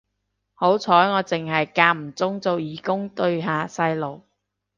好彩我剩係間唔中做義工對下細路